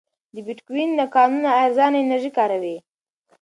د بېټکوین کانونه ارزانه انرژي کاروي.